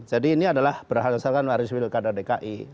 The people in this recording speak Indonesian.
jadi ini adalah berdasarkan laris wilkadar dki